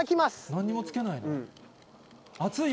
何もつけない？